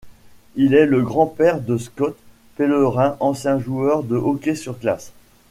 Il est le grand-père de Scott Pellerin ancien joueur de hockey sur glace.